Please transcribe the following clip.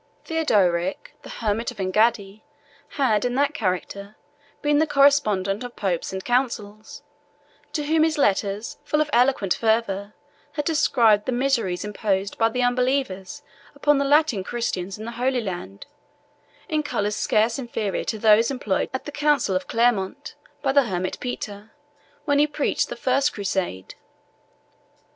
Theodorick, the hermit of Engaddi, had, in that character, been the correspondent of popes and councils; to whom his letters, full of eloquent fervour, had described the miseries imposed by the unbelievers upon the Latin Christians in the Holy Land, in colours scarce inferior to those employed at the Council of Clermont by the Hermit Peter, when he preached the first Crusade.